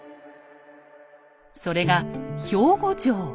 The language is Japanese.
それが兵庫城。